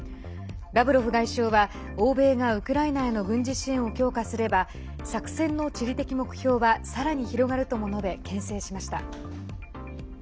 ラブロフ外相は欧米がウクライナへの軍事支援を強化すれば作戦の地理的目標はさらに広がるとも述べけん制しました。